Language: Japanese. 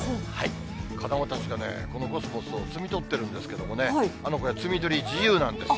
子どもたちがね、このコスモスを摘み取ってるんですけれどもね、これ、摘み取り自由なんです。